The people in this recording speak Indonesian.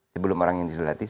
sebelum orang yang sudah dilatih